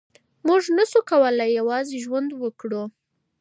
مونږ نسو کولای یوازې ژوند وکړو.